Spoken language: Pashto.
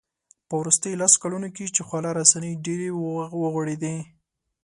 په وروستیو لسو کلونو کې چې خواله رسنۍ ډېرې وغوړېدې